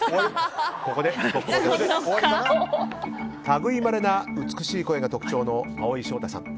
類いまれな美しい声が特徴の蒼井翔太さん。